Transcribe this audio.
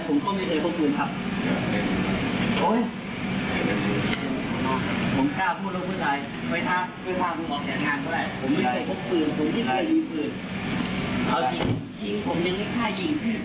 ผมไม่เคยพกปืนผมไม่เคยมีปืนเอาจริงจริงผมนึงไม่ค่ายิง